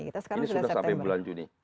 ini sudah sampai bulan juni